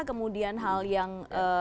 kemudian hal yang